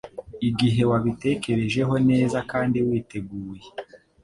igihe wabitekerejeho neza kandi witeguye.